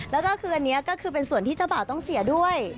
แล้วก็คืออันนี้ก็คือเป็นส่วนที่เจ้าบ่าวต้องเสียด้วย